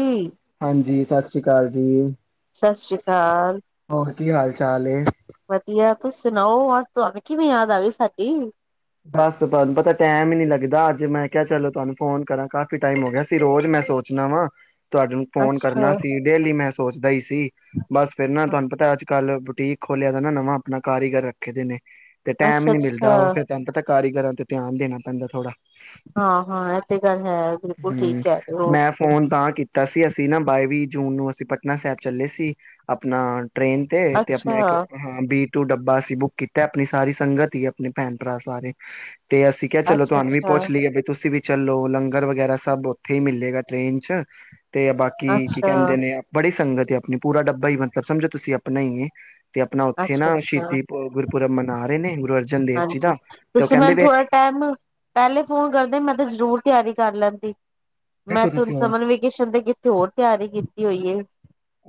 ਜੀ ਹਾਂਜੀ, ਸਤਿ ਸ੍ਰੀ ਅਕਾਲ ਹੂੰ, ਸਤਿ ਸ੍ਰੀ ਅਕਾਲ। ਕੀ ਹਾਲ ਚਾਲ ਏ। ਵਧੀਆ, ਤੁਸੀਂ ਸੁਣਾਓ ਅੱਜ ਤੁਹਾਨੂੰ ਕਿਵੇਂ ਯਾਦ ਆਗੀ ਸਾਡੀ ਬਸ ਤਾਨੂੰ ਪਤਾ ਟੈਮ ਹੀ ਨਹੀਂ ਲੱਗਦਾ ਅੱਜ ਮੈਂ ਕਿਹਾ ਚਲੋ ਤੁਹਾਨੂੰ ਫੋਨ ਕਰਾਂ ਕਾਫ਼ੀ ਟਾਈਮ ਹੋ ਗਿਆ ਸੀ, ਰੋਜ਼ ਮੈਂ ਸੋਚਣਾ ਵਾਂ ਤੁਹਾਡੇ ਨੂੰ ਫ਼ੋਨ ਅੱਛਾ ਕਰਨਾ ਸੀ ਡੇਲੀ ਮੈਂ ਸੋਚਦਾ ਹੀ ਸੀ ਬਸ ਫੇਰ ਨਾ ਤੁਹਾਨੂੰ ਪਤਾ ਅੱਜ ਕੱਲ ਬੂਟੀਕ ਖੋਲਿਆ ਤਾਂ ਨਾ ਨਵਾਂ ਆਪਣਾ ਕਾਰੀਗਰ ਰੱਖੇ ਦੇ ਨੇ ਤੇ ਟੈਮ ਅੱਛਾ ਨੀ ਮਿਲਦਾ ਅੱਛਾ ਉਥੇ ਪਤਾ ਕਾਰੀਗਰਾਂ ਤੇ ਧਿਆਨ ਦੇਣਾ ਪੈਂਦਾ ਥੋੜਾ। ਹਾਂ ਹਾਂ ਇਹ ਤੇ ਗੱਲ ਹੈ ਬਿਲਕੁਲ ਠੀਕ ਹੂੰ, ਕਹਿ ਰਹੇ ਹੋ ਮੈਂ ਫੋਨ ਤਾਂ ਕੀਤਾ ਸੀ ਅਸੀਂ ਨਾ ਬਾਏ ਵੀ ਜੂਨ ਨੂੰ ਅਸੀਂ ਪਟਨਾ ਸਾਹਿਬ ਚੱਲੇ ਸੀ ਆਪਣਾ ਟ੍ਰੇਨ ਤੇ ਤੇ ਅੱਛਾ ਆਪਣਾ ਇੱਕ ਹਾਂ ਬੀ ਟੂ ਡੱਬਾ ਅਸੀਂ ਬੁੱਕ ਕੀਤਾ ਆਪਣੀ ਸਾਰੀ ਸੰਗਤ ਹੀ ਆਪਣੀ ਭੈਣ ਭਰਾ ਸਾਰੇ ਤੇ ਅਸੀਂ ਕਿਹਾ ਚਲੋ ਅੱਛਾ ਤੁਹਾਨੂੰ ਵੀ ਅੱਛਾ ਪੁਛ ਲਈਏ ਵੀ ਤੁਸੀਂ ਵੀ ਚਲੋ ਲੰਗਰ ਵਗੈਰਾ ਸਬ ਉੱਥੇ ਈ ਮਿਲੇਗਾ ਟ੍ਰੇਨ ਚ ਤੇ ਬਾਕੀ ਕੀ ਅੱਛਾ ਕਹਿੰਦੇ ਨੇ ਬਡੀ ਸੰਗਤ ਏ ਆਪਣੀ ਪੂਰਾ ਡੱਬਾ ਈ ਮਤਲਬ ਸਮਝੋ ਤੁਸੀਂ ਆਪਣਾ ਈ ਏ। ਤੇ ਆਪਣਾ ਉੱਥੇ ਨਾ ਅੱਛਾ ਅੱਛਾ ਸ਼ਹੀਦੀ ਪੂ ਅ ਗੁਰਪੁਰਬ ਮਨਾ ਰੇ ਨੇ ਗੁਰੂ ਅਰਜਨ ਦੇਵ ਜੀ ਦਾ ਤੇ ਉਹ ਤੁਸੀਂ ਕਹਿੰਦੇ ਮੈਨੂੰ ਥੋੜਾ ਵੇਖ ਟਾਈਮ ਪਹਿਲੇ ਫੋਨ ਕਰਦੇ ਮੈਂ ਤਾਂ ਜਰੂਰ ਤਿਆਰੀ ਕਰ ਲੈਂਦੀ। ਮੈਂ ਦੇਖੋ ਤੇ ਹੁਨ ਤੁਸੀਂ ਹੁਣ ਸਮਰ ਵੇਕੇਸ਼ਨ ਤੇ ਕਿੱਥੇ ਹੋਰ ਤਿਆਰੀ ਕਿਤ ਹੋਈ ਏ।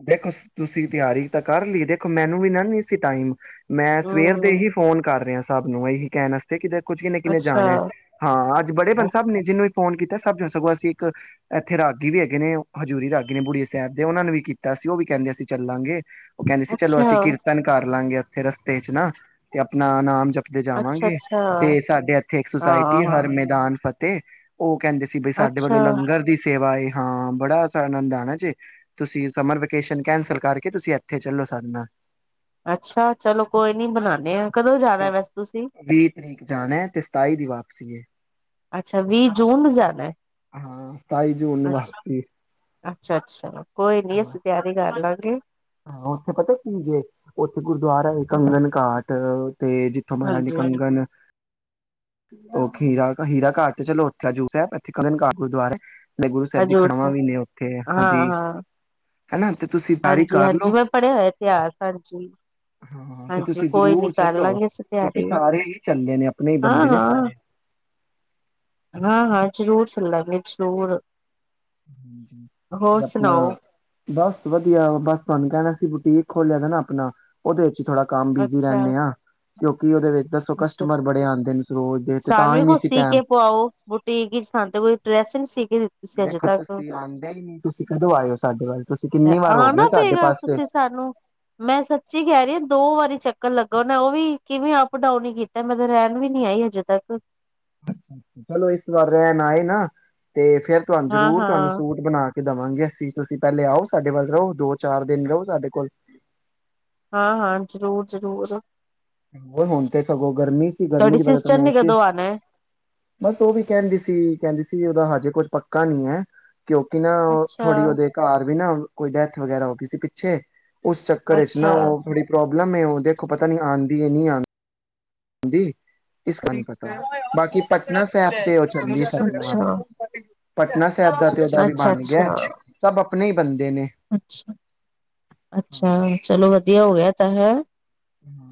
ਦੇਖੋ ਤੁਸੀਂ ਤਿਆਰੀ ਤਾਂ ਕਰ ਲਈ ਦੇਖੋ ਮੈਨੂੰ ਵੀ ਨਾ ਨੀ ਸੀ ਟਾਈਮ। ਮੈਂ ਸਵੇਰ ਦੇ ਹਮ ਹੀ ਫੋਨ ਕਰ ਰਿਹਾ। ਸਾਬ ਨੂੰ ਏਹੀ ਕੇਨ ਆਸਤੇ ਕਿ ਜਦ ਕੁੱਝ ਕਿੰਨੇ ਕਿੰਨੇ ਅੱਛਾ ਜਾਣਾ ਏ। ਹਾਂ ਅੱਜ ਬੜੇ ਬ ਅੱਛਾ ਸਬ ਨੇ ਜਿਹਨੂੰ ਫੋਨ ਕੀਤਾ ਸਬ ਨੂੰ ਸਗੋਂ ਅਸੀਂ ਇੱਕ ਇੱਥੇ ਰਾਗੀ ਵੀ ਹੈਗੇ ਨੇ ਓ ਹਜ਼ੂਰੀ ਰਾਗੀ ਨੇ ਬੁੜੀਐ ਸਾਹਿਬ ਦੇ ਉਹਨਾਂ ਨੂੰ ਵੀ ਕੀਤ ਤੇ ਅਸੀਂ ਉਹ ਵੀ ਕਹਿੰਦੇ ਅਸੀਂ ਚੱਲਾਂਗੇ। ਉਹ ਕਹਿੰਦੇ ਸੀ ਚਲੋ ਅਸੀਂ ਅੱਛਾ ਕੀਰਤਨ ਕਰ ਲਾਂਗੇ। ਤੇ ਰਸਤੇ ਚ ਨਾ ਤੇ ਆਪਣਾ ਨਾਮ ਜਪ ਅੱਛਾ ਲਜਾਵਾਂਗੇ ਅੱਛਾ ਤੇ ਸਾਡੇ ਇੱਥੇ ਇੱਕ ਸੁਸਾਇਟੀ ਹਾਂ ਏ ਹਰ ਹਾਂ ਮੈਦਾਨ ਫਤ ਤੇ ਉਹ ਕਹਿੰਦੇ ਸੀ ਬਈ ਸਾਡੇ ਵੱਲੋਂ ਅੱਛਾ ਲੰਗਰ ਦੀ ਸੇਵਾ ਏ। ਹਾਂ ਬੜਾ ਸਾ ਆਨੰਦ ਆਣਾ ਜੇ ਤੁਸੀਂ ਸਮਰ ਵੈਕੇਸ਼ਨ ਕੈਂਸਲ ਕਰਕੇ ਤੁਸੀਂ ਇੱਥੇ ਚੱਲੋ ਸਾਡੇ ਨਾਲ। ਅੱਛਾ ਚਲੋ ਕੋਈ ਨੀ ਬਨਾਨੇ ਆ। ਕਦੋਂ ਜਾਣਾ [unintelligible] ਵੈਸੇ ਤੁਸੀਂ ਵੀਹ ਤਰੀਕ ਜਾਣਾ ਏ ਤੇ ਸਤਾਈ ਦੀ ਵਾਪਸੀ। ਸੀ ਗੇ। ਅੱਛਾ ਵੀਹ ਜੂਨ ਨੂੰ ਜਾਨਾ ਏ ਹਾਂ ਸਤਾਈ ਜੂਨ ਨੂੰ ਅੱਛਾ। ਵਾਪਸੀ ਅੱਛਾ, ਅੱਛਾ। ਕੋਈ ਨੀ ਹਾਂ ਅਸੀਂ ਤਿਆਰੀ ਕਰ ਲਾਂਗ [unintelligible] ਹਾਂ ਉੱਥੇ ਪਤਾ ਕੀ ਜੇ, ਉੱਥੇ ਗੁਰਦੁਆਰਾ ਏ ਕੰਗਨ ਘਾਟ। ਤੇ ਜਿਥੋਂ ਮਹਾਰਾਜ਼ ਨੇ ਹਾਂਜੀ ਕੰਗਣ ਓਹ ਖੀਰਾ ਹੀਰਾ ਘਾਟ ਤੇ ਚਲੋ ਹਜ਼ੂਰ ਸਾਹਿਬ ਇਥੇ ਕਾਗਨ ਘਾਟ ਗੁਰਦੁਆਰਾ ਏ। ਮੈ ਗੁਰੂ ਸਾਹਿਬ ਦੀ ਖੜਵਾਂ ਵੀ ਨੇ ਉੱਥੇ ਹਾਂ ਹਾਂਜੀ ਹੇਨਾ ਤੇ ਤੁਸੀਂ ਤਾਰੀਖ ਜੀ ਹਾਂਜੀ, ਮੈਂ ਪੜ੍ਹਿਆ ਹੋਇਆ ਇਤਿਹਾਸ ਹਾਂਜੀ, ਹਾਂ ਤੇ ਹਾਂਜੀ ਤੁਸੀਂ ਕੋਈ ਨੀ ਜ਼ਰੂਰ ਕਰ ਲਾਂ ਚੱਲੋ ਗੇ ਅਸ ਕਿਉਂਕਿ ਤਿਆਰੀ ਵੀ। ਸਾਰੇ ਹੀ ਚੱਲੇ ਨੇ ਆਪਣੇ ਹੀ ਬੰਦੇ ਹਾਂ, ਨੇ ਹਾਂ, ਸਾਰੇ ਹਾਂ, ਹਾਂ, ਜ਼ਰੂਰ ਪਲਾ ਮੇਕ ਸ਼ੋਂਰ। ਆਪਣਾ, ਸੁਣਾਓ ਬਸ ਵਧੀਆ ਬਸ ਤੁਹਾਨੂੰ ਕਹਿਣਾ ਸੀ ਬੁਟੀਕ ਖੋਲਿਆ ਦਾ ਨਾ ਆਪਣਾ, ਉਹਦੇ ਵਿਚ ਸੀ ਥੋੜਾ ਕੰਮ ਬਿਜੀ ਅੱਛਾ ਰਹਿੰਦੇ ਆ। ਕਿਉ ਕੀ ਉਹਦੇ ਵਿੱਚ ਦੱਸੋ ਅੱਛਾ ਕਸਟਮਰ ਅੱਛਾ ਬੜੇ ਆਉਂਦੇ ਨੇ ਰੋਜ ਸਾਨੂੰ ਵੀ ਕੁਛ ਸੀ ਕੇ ਪੁਵਾਓ, ਬੂਟੀਕ ਕੀ ਹੋ ਸੀ ਸਾਨੂੰ ਤੇ ਕੋਈ ਡਰੈਸ ਨ ਸੀ। ਤੁਸੀਂ ਅਜੇ ਦੇਖੋ ਤੱਕ, ਤੁਸੀਂ ਆਉਂਦੇ ਹੀ ਨੀ ਤੁਸੀਂ ਕਦੋਂ ਆਏ ਹੋ ਸਾਡੇ ਵੱਲ ਤੁਸੀਂ ਕਿੰਨੀ ਵਾਰ ਹੋ ਆ ਗਏ ਨਾ ਹੋ ਸਾਡੇ ਪਏਗਾ ਪਾਸੇ ਤੁਸੀਂ ਸਾਨੂੰ ਮੈਂ ਸੱਚੀ ਕਹਿ ਰਹੀ ਹਾਂ ਦੋ ਵਾਰੀ ਚੱਕਰ ਲਗਾਉਣ ਨ ਉਹ ਵੀ ਕਿਵੇਂ ਅਪ ਡਾਊਨ ਨਹੀ ਕੀਤਾ ਬੰਦੇ ਨੇ ਐਂਡ ਵੀ ਨੀ ਆਈ ਹਜੇ ਤੱਕ ਚਲੋ, ਇਸ ਵਾਰ ਰਣ ਆਏ ਨਾ। ਤੇ ਫੇਰ ਤੁਹਾਨੂੰ ਹਾਂ ਜ਼ਰੂਰ ਤੁਹਾਨੂੰ ਹਾਂ ਸੂਟ ਬਣਾ ਕੇ ਦੇਵਾਂਗੇ ਅਸੀਂ ਤੁਸੀਂ ਪਹਿਲੇ ਆਓ ਸਾਡੇ ਵੱਲ ਰਹੋ ਦੋ -ਚਾਰ ਦਿਨ ਰਹੋ ਸਾਡੇ ਕੋਲ ਹਾਂ- ਹਾਂ, ਜ਼ਰੂਰ -ਜ਼ਰੂਰ ਉਹ ਹੁਣ ਤੇ ਸਗੋਂ ਗਰਮੀ ਸੀ ਗਰਮੀ ਤੁਹਾਡੀ ਦੀ ਵਜ੍ਹਾ ਤਾਂ ਸਿਸਟਰ ਮੈਂ ਨੇ ਸੀ। ਕਦੋਂ ਆਣਾ ਹੈ ਬਸ ਉਹ ਵੀ ਕਹਿੰਦੀ ਸੀ ਕਹਿੰਦੀ ਸੀ ਉਹਦਾ ਹਜੇ ਕੁੱਝ ਪੱਕਾ ਨਹੀਂ ਹੈ। ਕਿਉਂਕਿ ਨਾ ਉਹ ਅੱਛਾ ਥੋੜੀ ਉਹਦੇ ਘਰ ਵੀ ਨਾ ਕੋਈ ਡੈਥ ਵਗੈਰਾ ਹੋ ਗਈ। ਪਿੱਛੇ, ਉਸ ਚੱਕਰ ਚ ਨਾ ਅੱਛਾ ਉਹ ਬੜੀ ਪ੍ਰੋਬਲਮ ਹੈ। ਦੇਖੋ ਪਤਾ ਨਹੀ ਆਂਦਾ। ਯੇ ਨਹੀ ਆ। ਹਾਂਜੀ। ਪਟਨਾ ਸਾਹਿਬ ਤੇ ਉਹ ਚੱਲੀ ਸਾਡੇ ਨਾਲ ਪਟਨਾ ਸਾਹਿਬ ਦਾ ਤੇ ਉਹਦਾ ਵੀ ਬਣ ਗਿਆ ਸਭ ਆਪਣੇ ਹੀ ਬੰਦੇ ਨੇ ਹਾਂ [inaudible] ਦਿ ਹੋ ਗਿਆ ਤਾਂ ਹੈ।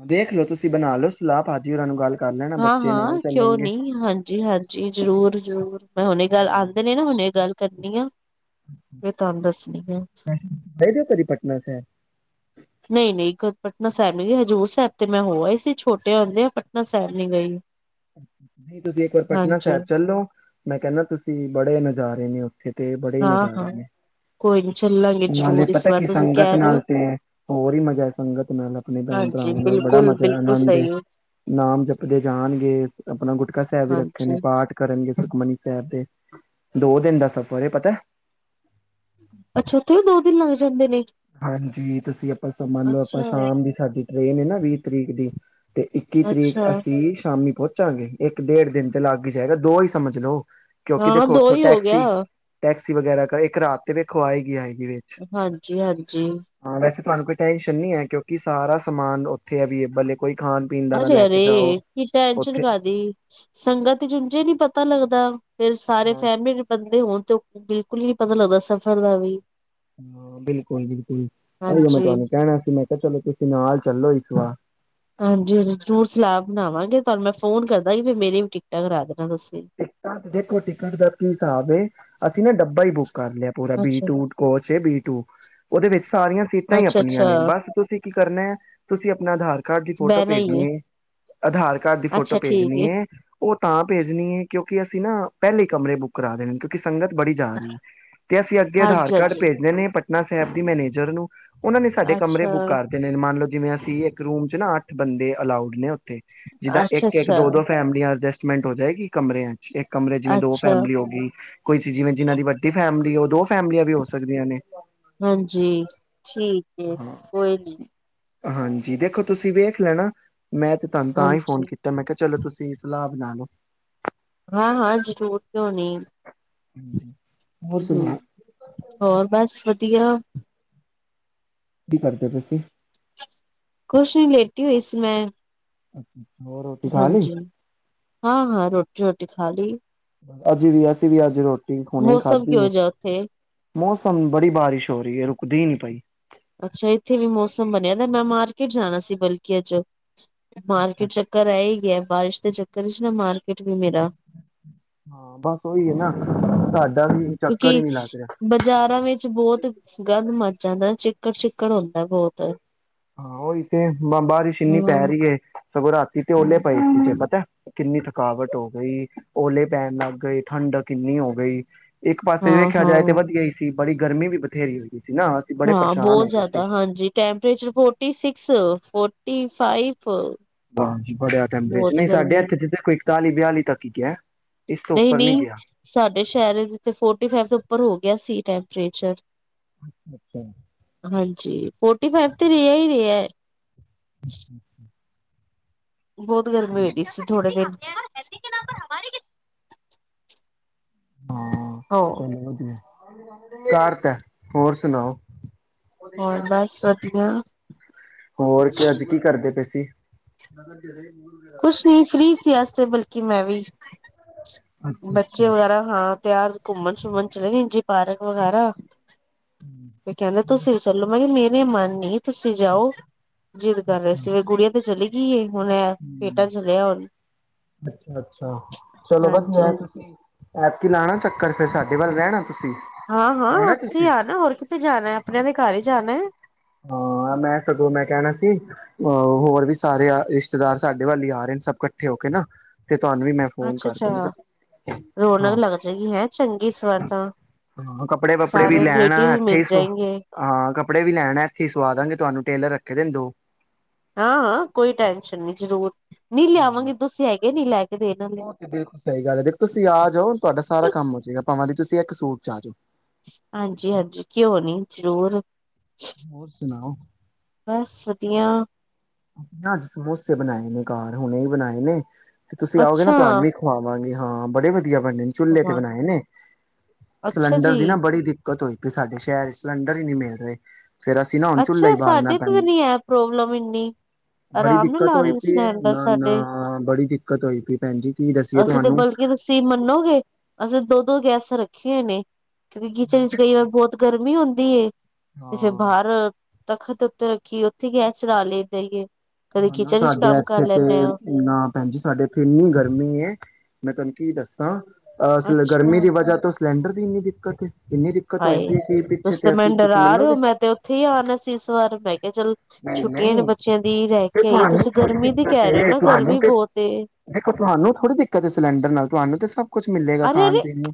ਦੇਖ ਲੋ ਤੁਸੀਂ ਬਣਾ ਲਓ ਸਲਾਹ ਭਾਜੀ ਉਹਰਾਂ ਨੂੰ ਗੱਲ ਕਰ ਲੈਣਾ ਬੱਚੇ ਹਾਂ-ਹਾਂ, ਨਾਲ ਕਿਉਂ ਚੱਲਣਗੇ ਨੀ, ਹਾਂਜੀ-ਹਾਂਜੀ, ਜ਼ਰੂਰ-ਜ਼ਰੂਰ, ਮੈਂ ਹੁਣੇ ਗੱਲ ਹਾਂ, ਆਉਂਦੇ ਨੇ ਨਾ ਹੁਣੇ ਗੱਲ ਕਰਨੀਆਂ। [inaudible] ਨਹੀਂ-ਨਹੀਂ, ਕਦ ਪਟਨਾ ਸਾਹਿਬ ਨੀ ਗਈ ਹਜ਼ੂਰ ਸਾਹਿਬ ਤੇ ਮੈਂ ਹੋ ਆਈ ਸੀ ਛੋਟੇ ਹੁੰਦੀਆ ਪਟਨਾ ਸਾਹਿਬ ਨੀ ਗਈ। ਤੁਸੀਂ ਇੱਕ ਵਾਰ ਪਟਨਾ ਹਾਂਜੀ ਸਾਹਿਬ ਚੱਲੋ। ਮੈਂ ਕਹਿੰਦਾ ਤੁਸੀਂ ਬੜੇ ਨਜ਼ਾਰੇ ਨੇ। ਇਥੇ ਤੇ ਬੜੇ ਹੀ ਨਜ਼ਾਰੇ ਹਾਂ-ਹਾਂ ਨੇ, ਕੋਈ ਨੀ ਚੱਲਾਂਗੇ ਨਾਲੇ ਜ਼ਰੂਰ ਇਸ ਪਤਾ ਵਾਰ ਕੀ ਤੁਸੀਂ ਸੰਗਤ ਕਹਿ ਰਹੇ ਹੋ। ਨਾਲ ਤੇ ਹੋਰ ਹੀ ਮਜ਼ਾ ਹੈ ਸੰਗਤ ਨਾਲ ਆਪਣੇ ਹਾਂਜੀ ਭੈਣ-ਭਰਾਵਾਂ ਨਾਲ ਬੜਾ ਮਜ਼ਾ ਬਿਲਕੁਲ-ਬਿਲਕੁਲ ਆਨੰਦ ਏ, ਸਹੀ ਨਾਮ ਜਪਦੇ ਜਾਣਗੇ। ਆਪਣਾ ਗੁਟਕਾ ਸਾਹਿਬ ਵੀ ਰੱਖੇ ਨੇ ਹਾਂਜੀ ਪਾਠ ਕਰ। ਹਾਂਜੀ। ਸੁਖਮਨੀ ਸਾਹਿਬ ਦਾ ਦੋ ਦਿਨ ਦਾ ਸਫਰ ਹੈ। ਪਤਾ ਅੱਛਾ ਉੱਥੇ ਵੀ ਦੋ ਦਿਨ ਲੱਗ ਜਾਂਦੇ ਨੇ। [unintelligible] ਅੱਛਾ-ਅੱਛਾ ਤੇ ਇੱਕੀ ਤਰੀਕ ਅਸੀਂ, ਸ਼ਾਮੀ ਪਹੁੰਚਾਂਗੇ। ਇੱਕ -ਡੇਢ ਦਿਨ ਤੇ ਲਗ ਹੀ ਜਾਏਗਾ ਦੋ ਹੀ ਸਮਝ ਲੋੋ। ਹਾਂ ਦੋ ਹੀ ਹੋ ਗਿਆ। ਸੀ ਵਗੈਰਾ ਕਰ ਇੱਕ ਰਾਤ ਤੇ ਵੇਖੋ ਆਏਗੀ ਹੀ ਆਏਗੀ। ਵਿੱਚ ਹਾਂਜੀ-ਹਾਂ। ਜੀ। ਹਾਂ ਵੈਸੇ ਤੁਹਾਨੂੰ ਕੋਈ ਟੈਨਸ਼ਨ ਨਹੀਂ ਹੈ ਕਿਉਂਕਿ ਸਾਰਾ ਸਮਾਨ ਉੱਥੇ ਅਵੈਲਏਬਲ ਹੈ। ਕੋਈ ਖਾਣ ਪੀਣ ਦਾ ਨਾ ਲੈ ਕੇ ਜਾਓ ਅਰੇ-ਅਰੇ ਕੀ ਟੈਨਸ਼ਨ ਉੱਥੇ ਕਾਦੀ ਸੰਗਤ ਚ ਓਂਝੇ ਨੀ ਪਤਾ ਲੱਗਦਾ। ਫਿਰ ਸਾਰੇ ਹਾਂ ਫੈਮਿਲੀ ਦੇ ਬੰਦੇ ਹੋਣ ਤੇ ਬਿਲਕੁਲ ਹੀ ਪਤਾ ਲੱਗਦਾ ਸਫ਼ਰ ਦਾ ਵੀ। ਹਾਂ ਬਿਲਕੁਲ-ਬਿਲਕੁਲ ਅ ਮੈਂ ਹਾਂਜੀ। ਤੁਹਾਨੂੰ ਕਹਿਣਾ ਸੀ ਮੈਂ। ਚਲੋ ਤੁਸੀਂ ਨਾਲ ਚੱਲੋ ਇੱਕ ਵਾਰ। ਹਾਂਜੀ ਜੀ ਜ਼ਰੂਰ ਸਲਾਹ ਬਣਾਵਾਂਗੇ ਤੁਹਾਨੂੰ ਮੈਂ ਫੋਨ ਕਰਦਾਂਗੀ ਫਿਰ ਮੇਰੀ ਵੀ ਟਿਕਟਾਂ ਕਰਾ ਦੇਣਾ। ਤੁਸੀਂ। ਟਿਕਟਾਂ ਦੇਖੋ ਟਿਕਟ ਦਾ ਕੀ ਹਿਸਾਬ ਹੈ। ਅਸੀ ਨੇੇ ਡੱਬਾ ਈ ਬੁੱਕ ਕਰ ਲਿਆ ਪੂਰਾ ਬੀ ਅੱਛਾ, two coach A, B two ਉਹਦੇ ਵਿੱਚ ਸਾਰੀਆਂ ਸੀਟਾਂ ਹੀ ਅੱਛਾ, ਆਪਣੀਆਂ ਅੱਛਾ ਨੇ ਬਸ ਤੁਸੀਂ ਕੀ ਕਰਨਾ ਹੈ ਤੁਸੀਂ ਆਪਣਾ ਆਧਾਰ ਕਾਰਡ ਦੀ ਫੋਟੋ ਬਹਿਣਾ ਹੀ ਭੇਜਣੀ ਹੈ, ਆਧਾਰ ਕਾਰਡ ਦੀ ਫੋਟੋ ਅੱਛਾ ਠੀਕ ਭੇਜਣੀ ਹੈ ਉਹ ਤਾਂ ਭੇਜਣੀ ਹੈ ਕਿਉਂਕਿ ਅਸੀਂ ਨਾ ਪਹਿਲੇ ਕਮਰੇ ਬੁੱਕ ਕਰਾ ਦੇਣੇ ਕਿਉਂਕਿ ਸੰਗਤ ਬੜੀ ਜਾ ਰਹੀ ਹੈ ਤੇ ਅਸੀਂ ਅੱਗੇ ਆਧਾਰ ਹਾਂਜੀ, ਕਾਰਡ ਹਾਂਜੀ। ਭੇਜਣੇ ਨੇ ਪਟਨਾ। ਸਾਹਿਬ ਦੀ ਮੈਨੇਜਰ ਨੂੰ ਉਹਨਾਂ ਨੇ ਸਾਡੇ ਕਮਰੇ ਬੁੱਕ ਅੱਛਾ, ਕਰ ਦੇ ਨੇ ਮੰਨ ਲਓ ਜਿਵੇਂ ਅਸੀਂ ਇੱਕ ਰੂਮ ਚ ਨਾ ਅੱਠ ਬੰਦੇ ਅਲਾਊਡ ਨੇ ਜਿੱਦਾਂ ਅੱਛਾ, ਇੱਕ ਇੱਕ ਅੱਛਾ, ਦੋ ਦੋ ਫੈਮਲੀ ਆਦੇ ਮਿੰਟ ਹੋ ਜਾਏਗੀ ਕਮਰਿਆਂ ਚ ਇੱਕ ਕਮਰੇ ਜਿਵੇਂ ਦੋ ਅੱਛਾ ਫੈਮਿਲੀ ਹੋ ਗਈ ਕੋਈ ਚ ਜਿਵੇਂ ਜਿਹਨਾਂ ਦੀ ਵੱਡੀ ਫੈਮਿਲੀ ਉਹ ਦੋ ਫੈਮਲੀਆਂ ਵੀ ਹੋ ਸਕਦੀਆਂ ਨੇ ਹਾਂਜੀ ਠੀਕ ਏ ਹਾਂ ਕੋਈ ਨੀ। ਹਾਂਜੀ ਦੇਖੋ ਤੁਸੀਂ ਵੇਖ ਲੈਣਾ ਮੈਂ ਤੇ ਤੁਹਾਨੂੰ ਤਾਂ ਹੀ ਫੋਨ ਹਾਂਜੀ ਕੀਤਾ ਮੈਂ ਕਿਹਾ ਚਲੋ ਤੁਸੀਂ ਸਲਾਹ ਬਣਾ ਲਓ। ਹਾਂ ਹਾਂ ਜ਼ਰੂਰ ਕਿਉ ਨਹੀਂ। ਹਾਂਜੀ। ਹੋਰ ਹੂੰ ਸੁਣਾਓ ਹੋਰ ਬਸ ਵਧੀਆ ਆ ਕੀ ਕਰਦੇ ਪਏ ਸੀ। ਕੋਸ਼ ਨੀ ਲੇਟੀ ਹੋਈ ਸੀ। ਹੋਰ ਰੋਟੀ ਖਾ ਲਈ? ਹਾਂਜੀ ਹਾਂ ਹਾਂ ਰੋਟੀ ਰੋਟੀ ਰੋਟੀ ਖਾਲੀ ਅਜ ਵੀ ਅਸੀਂ ਵੀ ਅੱਜ ਰੋਟ ਠੀਕ ਹਣੇ ਮੌਸਮ ਖਾਧੀ ਕਿਹੋ ਹੈ ਜਿਹਾ ਉੱਥੇ ਮੌਸਮ ਬੜੀ ਬਾਰਿਸ਼ ਹੋ ਰਹੀ ਰੁਕਦੀ ਨੀ ਪਾਈ ਅੱਛਾ ਇੱਥੇ ਵੀ ਮੌਸਮ ਬਣਿਆ ਤਾਂ ਮੈਂ ਮਾਰਕੀਟ ਜਾਣਾ ਸੀ ਬਲਕਿ ਅੱਜ ਅੱਛਾ ਮਾਰਕੀਟ ਅੱਛਾ। ਚੱਕਰ ਰਹਿ ਹੀ ਗਿਆ ਬਾਰਿਸ਼ ਦੇ ਚੱਕਰ ਨਾ ਮਾਰਕਕੇਟ ਹਾਂ ਬਸ ਉਹੀ ਹੈ ਨਾ ਸਾਡਾ ਵੀ ਚੱਕਰ ਹੀ ਕਿਉਂਕਿ ਨੀ ਲੱਗ ਰਿਹਾ। ਬਾਜ਼ਾਰਾਂ ਵਿੱਚ ਬਹੁਤ ਗੰਦ ਮਚਾ ਚਿੱਕੜ ਚਿੱਕੜ ਹੁੰਦਾ ਬਹੁਤ ਹਾਂ ਉਹ ਇੱਥੇ ਬਾਰਿਸ਼ ਇੰਨੀ ਪੈ ਹਾਂ ਰਹੀ ਹੈ [inaudible] ਸਗੋਂ ਰਾਤੀ ਤੇ ਓਲੇ ਪਏ ਸੀ ਜੇ ਪਤਾ ਕਿੰਨੀ ਥਕਾਵਟ ਹੋ ਗਈ ਓਲੇ ਪੈਣ ਲੱਗ ਗਈ ਠੰਡ ਕਿੰਨੀ ਹੋ ਗਈ ਇੱਕ ਪਾਸੇ ਹਾਂ ਵੇਖਿਆ ਜਾਏ ਤੇ ਹਾਂ ਵਧੀਆ ਹੀ ਸੀ ਬੜੀ ਗਰਮੀ ਵੀ ਬਥੇਰੀ ਹੋਈ ਸੀ ਨਾ ਅਸੀਂ ਬੜੇ ਹਾਂ ਪਰੇਸ਼ਾਨ ਹੋ ਬਹੁਤ ਗਏ ਸੀ। ਜ਼ਿਆਦਾ ਹਾਂਜੀ ਟੈਂਪਰੇਚਰ ਬਹੁਤ ਫੋਰਟੀ ਸਿੱਕਸ ਫੋਰਟੀ ਫਾਈਫ ਹਾਂਜੀ ਬੜਿਆ ਟੈਂਪਰੇਚਰ ਨਹੀਂ ਸਾਡੇ ਇਥੇ ਜੀਦਾ ਕੋਈ ਇਕਤਾਲੀ ਬਿਆਲੀ ਤੱਕ ਹੀ ਕਿਹਾ ਨਹੀਂ ਨਹੀਂ ਸਾਡੇ ਸ਼ਹਿਰ ਚ ਤਾਂ ਫੋਰਟੀ ਫਾਈਵ ਤੋਂ ਉੱਪਰ ਹੋ ਗਿਆ ਸੀ ਟੈਂਪਰੇਚਰ [inaudible] ਅੱਛਾ ਹਾਂਜੀ ਫੋਰਟੀ ਫਾਈਵ ਤੇ ਰਿਹਾ ਹੀ ਰਿਹਾ ਹੈ [inaudible] ਬਹੁਤ ਗਰਮੀ ਹੋਈ ਦੀ ਸੀ ਥੋੜੇ ਦਿਨ [inaudible] [inaudible] ਹਾਂ ਹੋ ਚਲ ਵਧਿਆ ਕਰਤਾ ਹੈ ਹੋਰ ਸੁਣਾਓ ਹੋਰ ਬਸ ਵਧੀਆ ਹੋਰ ਅੱਜ ਕੀ ਕਰਦੇ ਪੇ [inaudible] ਜੀ ਕੁੁਸ਼ ਨ ਫ੍ਰੀ ਸੀਅ ਬਲਕਿ ਮੈਂ ਵੀ ਅੱਛਾ ਅੱਛਾ ਬੱਚੇ ਵਗੈਰਾ ਹਾਂ ਤਿਆਰ ਘੁੰਮਣ ਸ਼ੁੰਮਣ ਚਲੇ ਨ ਜ ਪਾਰਕ ਵਗੈਰਾ ਤੇ ਕਹਿੰਦੇ ਤੁਸੀਂ ਵੀ ਚੱਲੋ ਮੈਂ ਕਿਹਾ ਮੇਰੇ ਮਨਨੀ ਤੁਸੀਂ ਜਾਓ ਜਿੱਦ ਕਰ ਰਹੇ ਸੀ ਵੇ ਗੁੜੀਆਂ ਤੇ ਚਲੀ ਕੀ ਏ ਹੁਣ ਆ ਬੇਟਾ ਚੱਲਿਆ ਹੁਣ ਹਾਂਜੀ ਮੈਂ ਤੁਸੀਂ ਐਪਕੀ ਲਾਣਾ ਚੱਕਰ ਫਿਰ ਸਾਡੇ ਵੱਲ ਰਹਿਣਾ ਤੁਸੀਂ ਹਾਂ, ਹਾਂ ਉੱਥੇ ਆ ਨਾ ਹੋਰ ਕਿਤੇ ਜਾਣਾ ਆਪਣਿਆਂ ਦੇ ਘਰ ਈ ਜਾਣਾ। ਹਾਂ ਮੈਂ ਸਗੋਂ ਮੈਂ ਕਹਿਣਾ ਸੀ ਅ ਹੋਰ ਵੀ ਸਾਰੇ ਰਿਸ਼ਤੇਦਾਰ ਸਾਡੇ ਵੱਲ ਹੀ ਆ ਰਹੇ ਨੇ ਸਭ ਇਕੱਠੇ ਹੋ ਕੇ ਨਾ ਤੇ ਤੁਹਾਨੂੰ ਵੀ ਮੈਂ ਫੋਨ ਅੱਛਾ ਕਰਕੇ ਅੱਛਾ ਮ ਹਾਂ ਰੌਣਕ ਲੱਗ ਜਾਏਗੀ ਹੈ ਚੰਗੀ ਇਸ ਵਾਰ ਤਾਂ ਹਾਂ ਕੱਪੜੇ ਵੱਪੜੇ ਵੀ ਸਾਰੇ ਲੈਣਾ ਰਿਲੇਟਿਵ ਇੱਥੇ ਮਿਲ ਸੁ ਜਾਏਗੇ ਹਾਂ ਕੱਪੜੇ ਵੀ ਲੈਣਾ। ਅਸੀਂ ਸਵਾਦਾਂਗੇ ਤੁਹਾਨੂੰ ਟੇਲਰ ਰੱਖੇ ਦੇ ਦੋ। ਹਾਂ ਕੋਈ ਟੈਂਨਸ਼ਨ ਨਹੀਂ ਜ਼ਰੂਰ ਨੀ ਹਾਂ ਲਿਆਵਾਂਗੇ ਤੁਸੀਂ ਆ ਇਹ ਨੀ ਲੈ ਕੇ ਦੇਣ ਵਾਲੇ ਉਹ ਤੇ ਬਿਲਕੁਲ ਸਹੀ ਗੱਲ ਹੈ ਦੇਖੋ ਤੁਸੀਂ ਆ ਜਾਓ ਤੁਹਾਡਾ ਸਾਰਾ ਕੰਮ ਹੋ ਜੇਗਾ। ਭਵਾਂ ਦੀ ਤੁਸੀਂ ਇੱਕ ਸੂਟ ਚ ਆਹ ਜੋੋ। ਹਾਂਜੀ, ਹਾਂਜੀ ਕਿਉ ਨੀ ਜ਼ਰੂਰ ਹੋਰ ਸੁਣਾਓ ਬਸ ਵਧੀਆ। ਨਾ ਅੱਜ ਸਮੋਸੇ ਬਣਾਏ ਨੇ ਘਰ ਹੁਣੇ ਹੀ ਬਣਾਏ ਨੇ। ਤੁਸੀਂ ਆਓਗੇ ਅੱਛਾ ਨਾ ਤੁਹਾਨੂੰ ਵੀ ਖਵਾਵਾਂਗੇ। ਹਾਂ ਬੜੇ ਵਧੀਆ ਵਧੀਆ ਬਣੇ ਨੇ ਚੁੱਲੇ ਤੇ ਕਮਾਲ ਬਣਾਏ ਨੇ ਅੱਛਾ ਸਿਲੰਡਰ ਜੀ ਦੀ ਨਾ ਬੜੀ ਦਿੱਕਤ ਹੋਈ ਪਈ ਸਾਡੇ ਸ਼ਹਿਰ ਚ ਸਿਲੰਡਰ ਹੀ ਨੀ ਮਿਲ ਨਹੀਂ, ਅੱਛਾ ਸਾਡੇ ਤੇ ਤਾਂ ਨੀ ਹੈ ਪ੍ਰੋਬਲਮ ਇੰਨੀ ਬੜੀ ਆਰਾਮ ਨਾਲ ਦਿੱਕਤ ਆ ਹੋਈ ਰਹੇ ਪਈ ਸਿਲੰਡਰ ਨਾ ਨਾ ਸਾਡੇ ਬੜੀ ਦਿੱਕਤ ਹੋਈ ਪਈ ਭੈਣ ਜੀ ਕੀ ਦੱਸੀਏ ਤੁਹਾਨੂੰ ਜਦ ਦੋ ਦੋ ਗੈਸਾਂ ਰੱਖੀਆਂ ਨੇ। ਕਿਉਂਕਿ ਕਿਚਨ ਚ ਕਈ ਵਾਰ ਬਹੁਤ ਗਰਮੀ ਹੁੰਦੀ ਤੇ ਫਿਰ ਬਾਹਰ ਹਾਂ ਤਖਤ ਉੱਤੇ ਰੱਖੀ ਉੱਥੇ ਗੈਸ ਚਲਾ ਲੈਂਦਾ ਹੀ ਏ ਕਦੇ ਹਨਾ ਕਿਚਨ ਚ ਸਾਡੇ ਕੰਮ ਕਰ ਇੱਥੇ ਲੈਂਦੇ ਆ ਤੇ ਨਾ ਭੈਣ ਜੀ ਸਾਡੇ ਇੱਥੇ ਇੰਨੀ ਗਰਮੀ ਹੈ ਮੈਂ ਤੁਹਾਨੂੰ ਕੀ ਦੱਸਾਂ ਹਾਂ। ਅਸਲ ਗਰਮੀ ਅੱਛਾ ਦੀ ਵਜ੍ਹਾ ਤੋਂ ਸਿਲੰਡਰ ਦੀ ਇੰਨੀ ਦਿੱਕਤ ਏ। ਹਾਏ, ਤੁਸੀ ਤੇ ਮੈਨੂੰ ਤੁਸੀਂ ਡਰਾ ਰਹੇ ਮੰਨੋਗੇ ਹੋ ਮੈਂ ਤੇ ਉੱਥੇ ਹੀ ਆਣਾ ਸੀ ਇਸ ਵਾਰ ਮੈਂ ਕਿਹਾ ਚੱਲ ਨਹੀਂ ਛੁੱਟੀਆਂ ਨੇ ਨਹੀਂ ਬੱਚਿਆਂ ਦੀ ਰਹਿ ਤੇ ਕੇ ਆਈਏ ਤੁਹਾਨੂੰ ਤੁਸੀਂ ਥੋੜ੍ਹੀ ਗਰਮੀ ਦੀ ਦਿੱਕਤ ਕਹਿ ਰਹੇ ਹੋ ਏ ਨਾ ਤੁਹਾਨੂੰ ਗਰਮੀ ਤੇ ਬਹੁਤ ਏ ਦੇਖੋ ਤੁਹਾਨੂੰ ਥੋੜ੍ਹੀ ਦਿੱਕਤ ਏ ਸਿਲੰਡਰ ਨਾਲ ਤੁਹਾਨੂੰ ਤੇ ਸਭ ਕੁਛ- ਮਲੇਗਾ ਅਰੇ ਖਣ ਅਰੇ ਪੀਣ ਨੂੰ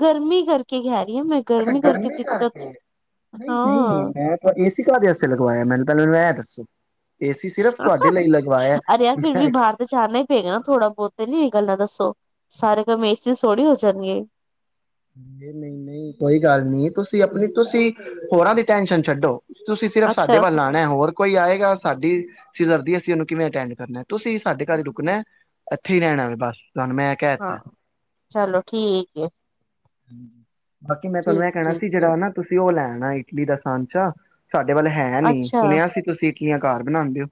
ਗਰਮੀ ਕਰਕੇ ਕਹਿ ਰਹੀ ਹਾਂ ਮੈਂ ਅੱਛਾ ਗਰਮੀ ਦਿੱਕਤ ਕਰਕੇ ਨਹੀਂ ਨਹੀਂ ਹਾਂ ਮੈਂ ਏਸੀ ਕ ਵਾਸਤੇ ਲਗਵਾਇਆ ਮੈਨੂੰ ਮੈਂ ਅਰੇ ਯਾਰ ਫਿਰ ਵੀ ਮੈਂ ਬਾਹਰ ਤੇ ਚੜਨਾ ਹੀ ਪਏਗਾ ਨਾ ਥੋੜਾ ਬਹੁਤ ਨੀ ਗੱਲਾਂ ਦੱਸੋ ਸਾਰੇ ਕੰਮ ਇਸ ਚ ਥੋੜੀ ਹੋ ਜਾਣਗੇ ਨਹੀਂ ਨਹੀਂ ਕੋਈ ਗੱਲ ਨੀ ਤੁਸੀਂ ਆਪਣੀ ਤੁਸੀਂ ਹੋਰਾਂ ਦੀ ਟੈਨਸ਼ਨ ਛੱਡੋ ਤੁਸੀਂ ਸਿਰਫ ਸਾਡੇ ਅੱਛਾ ਵੱਲ ਆਾਉਣਾ ਹੋਰ ਕੋਈ ਆਏਗਾ ਸਾਡੀ ਅ ਦਦੀ ਅਸੀਂ ਉਹਨੂੰ ਕਿਵੇਂ ਅਟੈਂਡ ਕਰਨਾ ਤੁਸੀਂ ਸਾਡੇ ਘਰ ਰੁਕਣਾ ਇੱਥੇ ਹੀ ਰਹਿਣਾ ਵੇ ਬਸ ਤੁਹਾਨੂੰ ਮੈਂ ਕਹਿਥ ਹਾਂ ਚਲੋ ਠੀਕ ਹੈ ਹਮ ਬਾਕੀ ਮੈਂ ਤੁਹਾਨੂੰ ਇਹ ਕਹਿਣਾ ਸੀ ਠੀਕ ਏ ਜਿਹੜਾ ਨਾ ਤੁਸੀ ਉਹ ਲੈਣ ਨਾ ਇਟਲੀ ਦਾ ਸਾਂਚਾ ਤੁਹਾਡੇ ਵੱਲ ਹੈ ਨੀ ਅੱਛਾ ਸੁਣਿਆ ਸੀ ਤੁਸੀਂ ਕੀਆਂ ਘਰ ਬਣਾਉਂਦੇ ਹੋ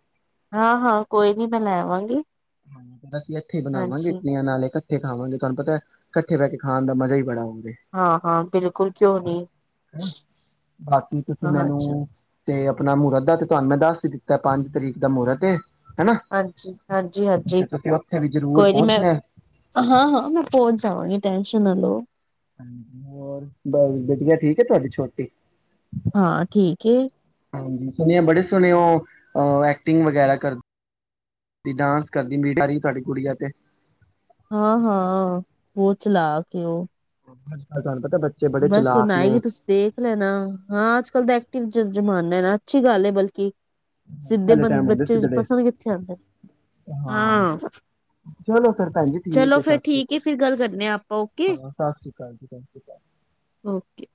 ਹਾਂ ਹਾਂ ਕੋਈ ਨੀ ਮੈਂ ਲੈਵਾਂਗੀ ਹਾਂ ਅਸੀਂ ਹੱਥੇ ਬਣਾਵਾਂਗੇਟੀਆਂ ਨਾਲ ਇਕ ਇਕੱਠੇ ਖਾਾਂਗੇ ਤੁਹਾਨੂੰ ਪਤਾ ਇਕੱਠੇ ਬਹਿ ਕੇ ਖਣ ਦਾ ਮਾਜਾ ਹੀ ਬੜਾਗਾ ਹਾਂ ਹਾਂ ਬਿਲਕੁਲ ਕਿਉਂ ਨੀ ਬਾਕੀ ਤੁਸੀਂ ਹਾਂ ਚਲ ਮੈਨੂੰ ਤੇ ਆਪਣਾ ਮਹਰਾਤ ਦਾ ਤੇ ਤੁਹਾਨੂੰ ਮੈਂ ਦੱਸ ਹੀ ਦਿੱਤਾ ਪੰਜ ਤਰੀਕ ਦਾ ਮਹੂਰਤ ਹਨਾ ਹਾਂਜੀ ਹਾਂਜੀ ਹਾਂ ਤੇ ਤੁਸੀਂ ਉੱਥੇ ਵੀ ਜ਼ਰੂਰ ਕੋਈ ਨੀ ਮੈਂ ਪਹੁੰਚਣਾ ਹੈ ਹਾਂ ਹਾਂ ਮੈਂ ਪਹੁੰਚ ਜਾਵਾਂਗੀ ਟੈ [unintelligible] ਹਾਂਜੀ ਹੋਰ ਬਸ ਵਧੀਆ ਠੀਕ ਹੈ ਤੁਹਾਡੀ ਛੋਟੀ ਹਾਂ ਠੀਕ ਹਾਂਜੀ ਸੁਣਿਆ ਬੜੇ ਸੋਹਣੇ ਉਹ ਐਕਟਿੰਗ ਵਗੈਰਾ ਕਰਦੀ ਡਾਂਸ ਕਰਦੀ ਮ ਤੁਡੀ ਕੁੜੀਆਂ ਤੇ ਹਾਂ ਹਾਂ ਉਹ ਚਲਾ ਕੇ ਉਹ [inaudible] ਬੜੇ ਬਸ ਹੁਣ ਚਲਾਕ ਨੇ ਆਏਗੀ ਤੁਸੀਂ ਦੇਖ ਲੈਣਾ ਹਾਂ ਅੱਜ ਕੱਲ੍ਹ ਦਾ ਐਕਟਿਵ ਜ਼ਮਾਨਾ ਨਾ ਅੱਛੀ ਗੱਲ ਹੈ ਬਲਕਿ ਸਿੱਧੇ ਬੰ ਆਉਦੇ ਬੱਚੇ ਸਿੱਧ ਪਸੰਦ ਕਿੱਥੇ ਆਂਦੇ ਹਾਂ ਚਲੋ ਫਿਰ ਭੈਣ ਜੀ ਠੀਕ ਚਲੋ ਫੇਰ ਸਤਿ ਸ੍ਰੀ ਠੀਕ ਅਕਾਲ ਏ ਫਿਰ ਗੱਲ ਕਰਨੇ ਆ ਆਪਾਂ ਓਕੇ, ਹਾਂ ਸਤਿ ਸ੍ਰੀ ਅਕਾਲ ਜੀ ਸਤਿ੍ਰੀ ਅਕਾਲ ਓਕੇ